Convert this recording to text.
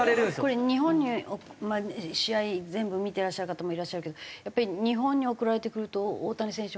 これ日本に試合全部見てらっしゃる方もいらっしゃるけどやっぱり日本に送られてくると大谷選手